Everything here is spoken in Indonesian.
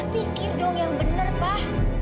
pikir dong yang benar pak